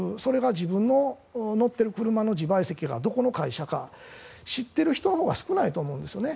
自分の乗っている車の自賠責がどこの会社か知ってる人のほうが少ないと思うんですね。